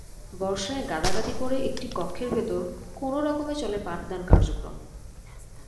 বর্ষায় গাদাগাদি করে একটি কক্ষের ভেতর কোনো রকমে চলে পাঠদান কার্যক্রম।